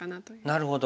なるほど。